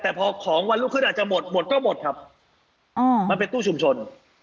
แต่พอของวันรุ่งขึ้นอาจจะหมดหมดก็หมดครับมันเป็นตู้ชุมชน